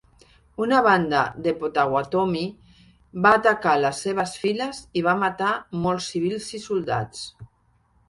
Una banda de potawatomi va atacar les seves files i va matar molts civils i soldats.